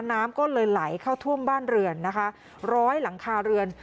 น้ำก็เลยไหลเข้าท่วมบ้านเรือนนะคะร้อยหลังคาเรือน